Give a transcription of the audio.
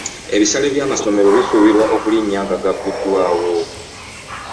Ebisale by'amasomero bisuubirwa okulinnya nga gagguddwawo.